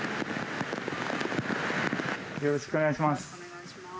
よろしくお願いします。